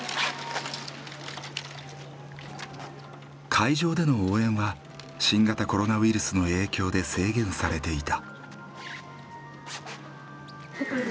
会場での応援は新型コロナウイルスの影響で制限されていた。